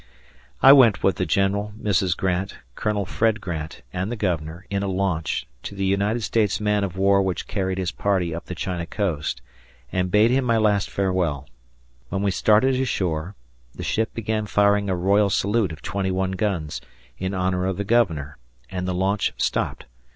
I went with the general, Mrs. Grant, Colonel Fred Grant, and the governor, in a launch, to the United States man of war which carried his party up the China coast, and bade him my last farewell. When we started ashore, the ship began firing a royal salute of twenty one guns, in honor of the governor, and the launch stopped.